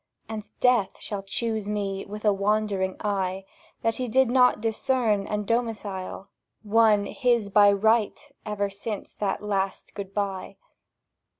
And Death shall choose me with a wondering eye That he did not discern and domicile One his by right ever since that last Good bye!